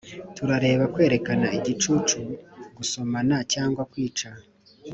turareba kwerekana igicucu gusomana cyangwa kwica